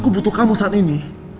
aku butuh kamu saat ini